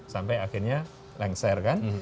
sampai akhirnya lengser kan